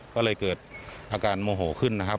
ก็เลยเกิดอาการโมโหขึ้นนะครับ